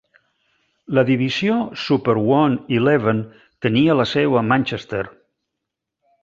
La divisió Super One-Eleven tenia la seu a Manchester.